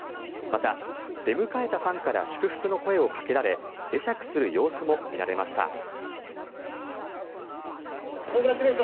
また、出迎えたファンから祝福の声をかけられ会釈する様子も見られました。